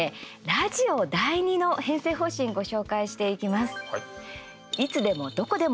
ラジオ第２の編成方針ご紹介していきます。